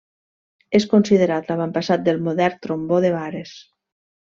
És considerat l'avantpassat del modern trombó de vares.